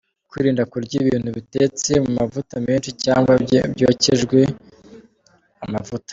Kwirinda kurya ibintu bitetse mu mavuta menshi cyangwa byokeshejwe amavuta.